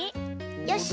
よし！